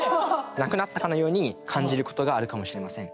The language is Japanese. なくなったかのように感じることがあるかもしれません。